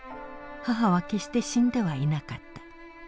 母は決して死んではいなかった。